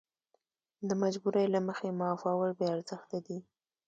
د مجبورۍ له مخې معافول بې ارزښته دي.